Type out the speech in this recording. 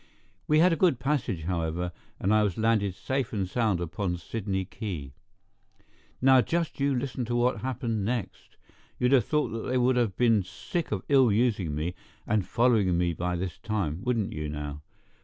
We had a good passage, however, and I was landed safe and sound upon Sydney Quay. Now just you listen to what happened next. You'd have thought they would have been sick of ill using me and following me by this time—wouldn't you, now?